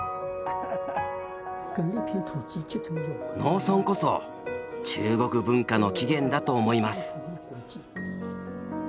農村こそ中国文化の起源だと思います。